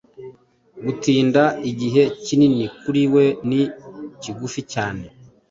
Gutinda, igihe kinini kuri we ni kigufi cyane